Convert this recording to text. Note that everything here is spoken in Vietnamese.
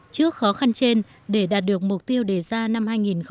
trước khó khăn trên để đạt được mục tiêu đề ra năm hai nghìn một mươi bảy